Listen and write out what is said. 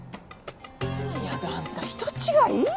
あらやだあんた人違い？